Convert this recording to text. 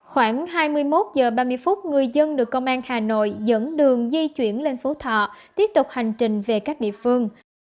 khoảng hai mươi một h ba mươi người dân được công an hà nội dẫn đường di chuyển lên phú thọ tiếp tục hành trình về các địa phương